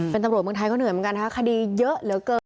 เป็นตำรวจเมืองไทยก็เหนื่อยเหมือนกันนะคะคดีเยอะเหลือเกิน